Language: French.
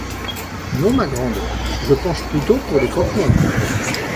Non ma grande, je penche plutôt pour les croque-morts.